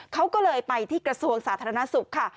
เขาก็เลยไปที่กระทรวงสาธารณสุขค่ะ